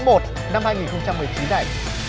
năm hai nghìn một mươi chín này